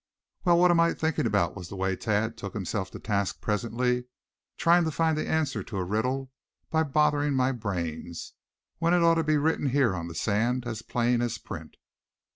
"Well, what am I thinking about?" was the way Thad took himself to task presently; "trying to find the answer to a riddle by bothering my brains, when it ought to be written here on the sand as plain as print."